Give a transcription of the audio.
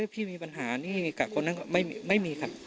พี่มีปัญหานี่กับคนนั้นก็ไม่มีครับ